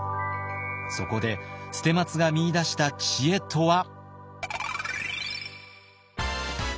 そこで捨松が見いだした知恵とは。